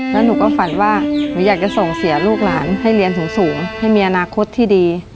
แล้วหนูก็ฝันว่าหนูอยากจะส่งเสียลูกหลานให้เรียนสูงให้มีอนาคตที่ดี